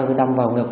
tôi đâm vào ngực